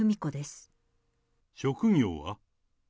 職業は？